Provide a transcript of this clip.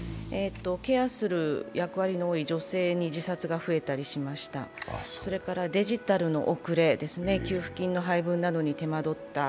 ケアする役割の多い女性に自殺が増えたりしました、それからデジタルの遅れ、給付金の配布などに手間取った。